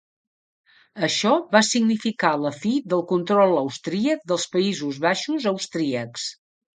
Això va significar la fi del control austríac dels Països Baixos austríacs.